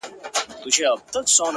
دا داسي سوى وي’